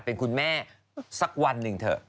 เป็นคุณแม่สักวันหนึ่งเถอะ